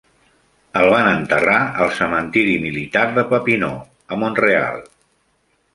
El van enterrar al cementiri militar de Papineau, a Montreal.